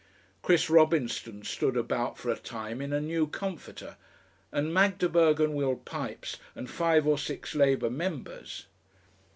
Chris Robinson stood about for a time in a new comforter, and Magdeberg and Will Pipes and five or six Labour members.